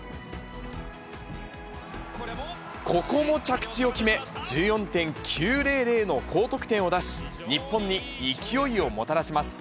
ここも着地を決め、１４．９００の高得点を出し、日本に勢いをもたらします。